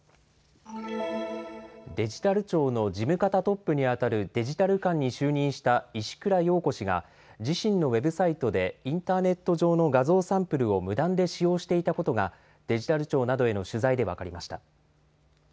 デジタル庁の事務方トップに当たるデジタル監に就任した石倉洋子氏が、自身のウェブサイトでインターネット上の画像サンプルを無断で使用していたことが、デジタル庁などへの取材で分かりました。